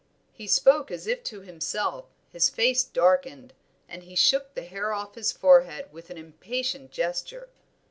He spoke as if to himself, his face darkened, and he shook the hair off his forehead with an impatient gesture.